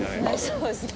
そうですね。